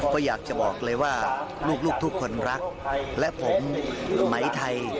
ก็อยากจะบอกเลยว่าลูกทุกคนรักและผมไหมไทย